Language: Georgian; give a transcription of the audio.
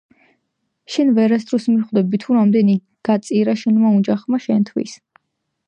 შენ ვერასდროს მიხვდები თუ რამდენი გაწირა შენმა ოჯახმა შენთვის.